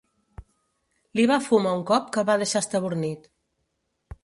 Li va fúmer un cop que el va deixar estabornit.